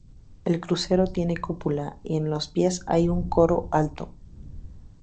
El crucero tiene cúpula y en los pies hay un coro alto.